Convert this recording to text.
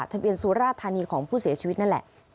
ทะเบียนสุราธารณีของผู้เสียชีวิตนั่นแหละ